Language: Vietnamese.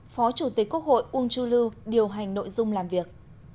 phó chủ tịch quốc hội uông chu lưu điều hành nội dung làm việc